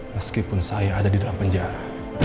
meskipun saya ada di dalam penjara